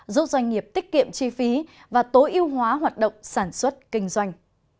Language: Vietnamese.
giúp doanh nghiệp tiết kiệm chi phí và tối ưu hóa hoạt động sản xuất kinh doanh